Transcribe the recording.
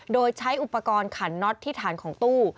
โดยใช้อุปกรณ์ขันน็อตที่ฐานของตู้